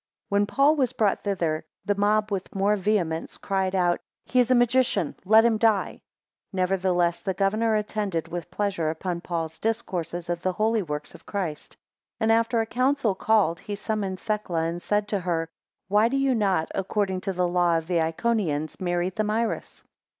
6 When Paul was brought thither, the mob with more vehemence cried out, He is a magician, let him die. 7 Nevertheless the governor attended with pleasure upon Paul's discourses of the holy works of Christ; and, after a council called, he summoned Thecla, and said to her, Why do you not, according to the law of the Iconians, marry Thamyris?